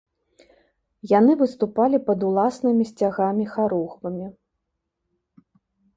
Яны выступалі пад уласнымі сцягамі-харугвамі.